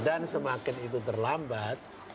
dan semakin itu terlambat